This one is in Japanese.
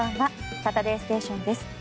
「サタデーステーション」です。